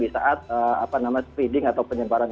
di saat speeding atau penyebaran